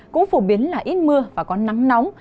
cũng phổ biến là ít mưa và có nắng nóng